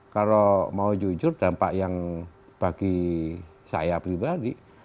kalau mau jujur dampak yang bagi saya pribadi